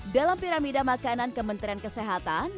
dalam piramida makanan kementerian kesehatan